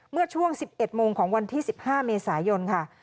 เมื่อช่วง๑๑โมงของวันที่๑๕เมษายนค่ะ